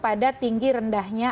pada tinggi rendahnya